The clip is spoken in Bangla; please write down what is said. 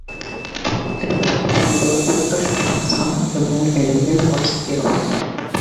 এটি ইয়েমেনের তৃতীয় বৃহত্তম শহর, সানা এবং এডেন এর পরেই এর অবস্থান।